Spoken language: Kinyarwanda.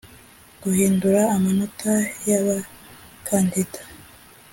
Guhindura amanota y abakandida